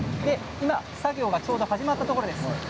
今、作業がちょうど始まったところです。